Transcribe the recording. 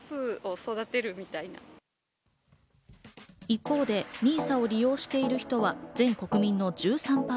一方でＮＩＳＡを利用している人は全国民の１３％。